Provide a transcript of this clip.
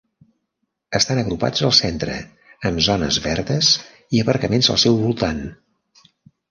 Estan agrupats al centre, amb zones verdes i aparcaments al seu voltant.